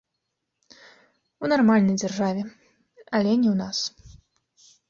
У нармальнай дзяржаве, але не ў нас.